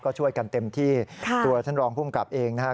ก็ช่วยกันเต็มที่ตัวท่านรองพุ่มกลับเองนะคะ